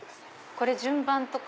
これ順番とか。